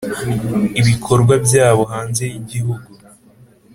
ibikorwa byawo hanze y igihugu